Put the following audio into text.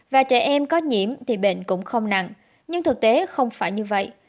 và trẻ em có nhiễm thì bệnh cũng không nặng nhưng thực tế không phải như vậy